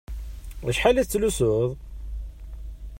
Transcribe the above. Acḥal i tettlusuḍ?